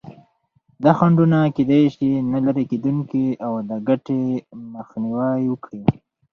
دا خنډونه کېدای شي نه لرې کېدونکي او د ګټې مخنیوی وکړي.